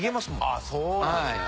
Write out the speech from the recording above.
ああそうなんですね。